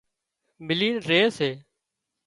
ملينَ ري سي